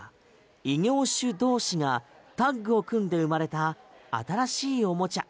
異業種同士がタッグを組んで生まれた新しいおもちゃ。